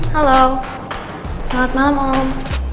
halo selamat malam om